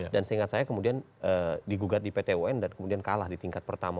dan seingat saya kemudian digugat di pt un dan kemudian kalah di tingkat pertama